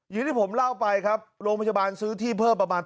อย่างที่ผมเล่าไปครับโรงพยาบาลซื้อที่เพิ่มประมาณ